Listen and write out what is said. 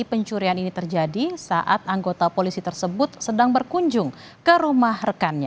pencurian ini terjadi saat anggota polisi tersebut sedang berkunjung ke rumah rekannya